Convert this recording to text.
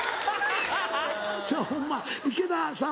ホンマ池田さん